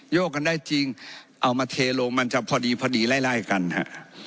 กันได้จริงเอามาเทลงมันจะพอดีพอดีไล่กันฮะ